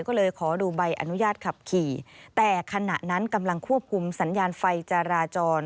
ก็เลยขอดูใบอนุญาตขับขี่แต่ขณะนั้นกำลังควบคุมสัญญาณไฟจราจร